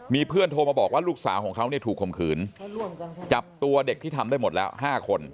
มีเพื่อนโทรมาบอกว่าลูกสาวของเขาเนี่ยถูกข่มขืนจับตัวเด็กที่ทำได้หมดแล้ว๕คน